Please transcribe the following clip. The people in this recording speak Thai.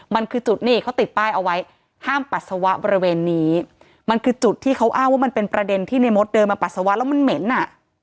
มันคือจุดนี่เขาติดป้ายเอาไว้ห้ามปัสสาวะบริเวณนี้มันคือจุดที่เขาอ้างว่ามันเป็นประเด็นที่ในมดเดินมาปัสสาวะแล้วมันเหม็นอ่ะ